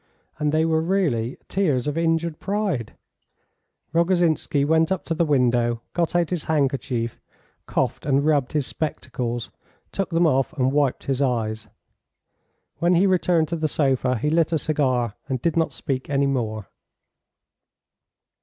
And they were really tears of injured pride. Rogozhinsky went up to the window, got out his handkerchief, coughed and rubbed his spectacles, took them off, and wiped his eyes. When he returned to the sofa he lit a cigar, and did not speak any more.